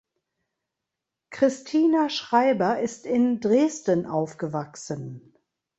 Krystyna Schreiber ist in Dresden aufgewachsen.